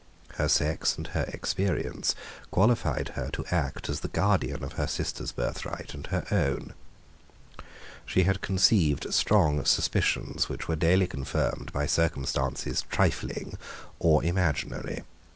Her sex and her experience qualified her to act as the guardian of her sister's birthright and her own. She had conceived strong suspicions which were daily confirmed by circumstances trifling or imaginary.